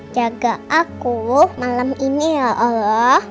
jaga aku malam ini ya allah